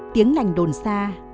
tiếng lành đồn xa